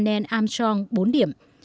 nên armstrong bốn điểm